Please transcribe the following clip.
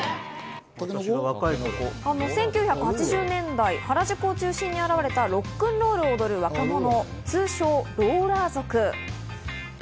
１９８０年代、原宿を中心に現れた、ロックンロールを踊る若者、通称ローラー族。